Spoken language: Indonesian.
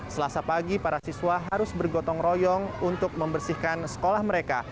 selasa pagi para siswa harus bergotong royong untuk membersihkan sekolah mereka